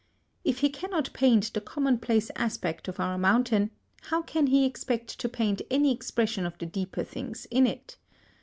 If he cannot paint the commonplace aspect of our mountain, how can he expect to paint any expression of the deeper things in it?